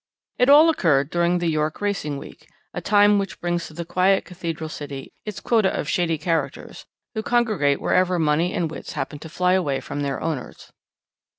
"It all occurred during the York racing week, a time which brings to the quiet cathedral city its quota of shady characters, who congregate wherever money and wits happen to fly away from their owners.